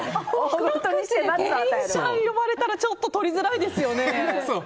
店員さん呼ばれたらちょっと取りづらいですよね。